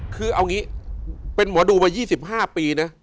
คือเอางี้เป็นหมอดูมา๒๕ปีนะ